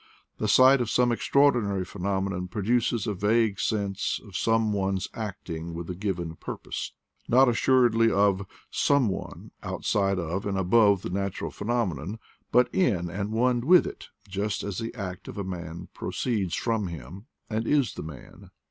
The sight of some extraordinary phenom enon produces a vague sense of some one acting with a given purpose." Not assuredly of "some one" outside of and above the natural phenom enon, but in and one with it, just as the act of a man proceeds from him, and is the man.